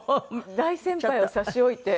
大先輩を差し置いて。